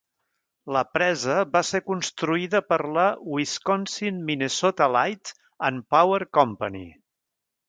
La presa va ser construïda per la Wisconsin-Minnesota Light and Power Company.